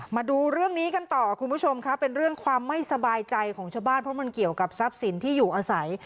มาดูเรื่องนี้กันต่อคุณผู้ชมค่ะเป็นเรื่องความไม่สบายใจของชาวบ้านเพราะมันเกี่ยวกับทรัพย์สินที่อยู่อาศัย